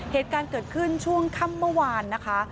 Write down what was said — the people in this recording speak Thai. เหตุการณ์เกิดขึ้นช่วงค่ำเมื่อวานนะคะ